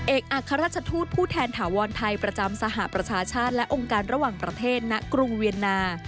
เอกอัครราชทูตผู้แทนถาวรไทยประจำสหประชาชาติและองค์การระหว่างประเทศณกรุงเวียนนา